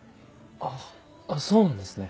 あそうなんですね。